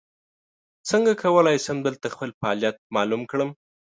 څنګه کولی شم دلته خپل فعالیت معلوم کړم ؟